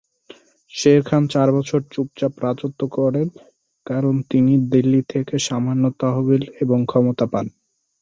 শের খান চার বছর চুপচাপ রাজত্ব করেন কারণ তিনি দিল্লি থেকে সামান্য তহবিল এবং ক্ষমতা পান।